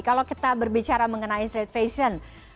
kalau kita berbicara mengenai street fashion